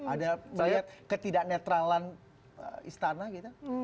ada melihat ketidak netralan istana gitu